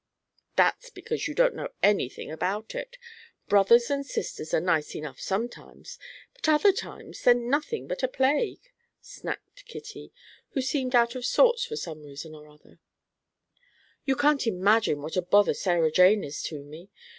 "That's because you don't know any thing about it. Brothers and sisters are nice enough sometimes, but other times they're nothing but a plague," snapped Kitty, who seemed out of sorts for some reason or other; "you can't imagine what a bother Sarah Jane is to me.